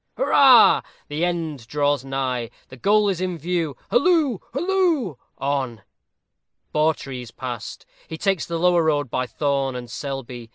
Hurrah! the end draws nigh; the goal is in view. Halloo! halloo! on! Bawtrey is past. He takes the lower road by Thorne and Selby.